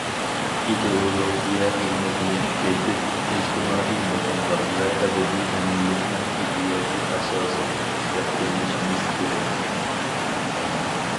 ئىدېئولوگىيە خىزمىتىنى كۈچەيتىپ، ئىجتىمائىي مۇقىملىق ۋە ئەبەدىي ئەمىنلىكنىڭ ئىدىيەۋى ئاساسىنى مۇستەھكەملىشىمىز كېرەك.